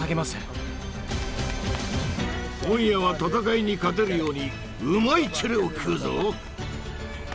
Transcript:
今夜は戦いに勝てるようにうまいチェレを食うぞ！